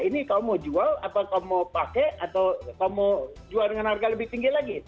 ini kamu mau jual atau kamu pakai atau kamu jual dengan harga lebih tinggi lagi